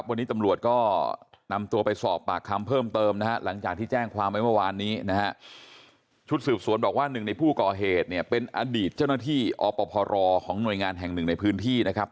วันนี้ตำรวจก็นำตัวไปสอบปากคำเพิ่มเติมนะครับ